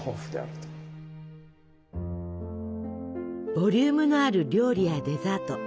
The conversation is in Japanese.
ボリュームのある料理やデザート